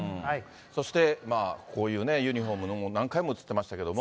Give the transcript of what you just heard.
そして、こういうユニホームも何回も映ってましたけれども。